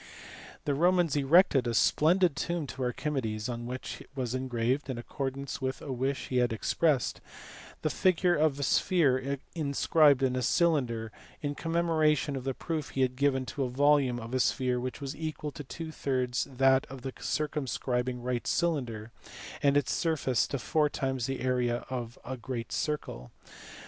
The Romans erected a splendid tomb to Archimedes on which was engraved (in accordance with a wish he had ex pressed) the figure of a sphere inscribed in a cylinder, in com memoration of the proof he had given that the volume of a sphere was equal to two thirds that of the circumscribing right cylinder, and its surface to four times the area of a^great circle.